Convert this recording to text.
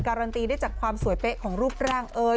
การันตีได้จากความสวยเป๊ะของรูปร่างเอ้ย